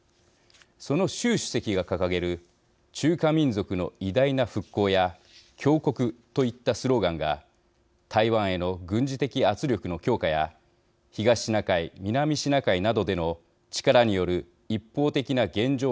その習主席が掲げる「中華民族の偉大な復興」や「強国」といったスローガンが台湾への軍事的圧力の強化や東シナ海・南シナ海などでの力による一方的な現状変更の試み